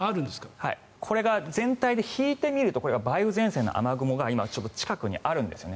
これが全体で引いてみると梅雨前線の雨雲が今、近くにあるんですよね。